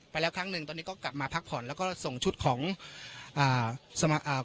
ไปแล้วครั้งหนึ่งตอนนี้ก็กลับมาพักผ่อนแล้วก็ส่งชุดของอ่าสมัครอ่า